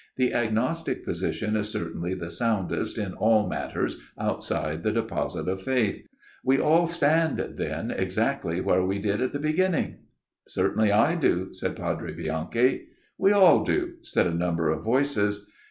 The agnostic position is certainly the soundest in all matters outside the Deposit of Faith. ... We all stand, then, exactly where we did at the beginning ?"" Certainly, I do," said Padre Bianchi. " We all do," said a number of voices.